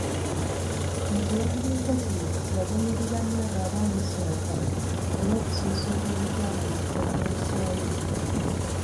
Mu kiwandiiko kino yavumirira nnyo abo abamusooka olw'okususuuta Oluganda mu kifo ky'oluswayiri.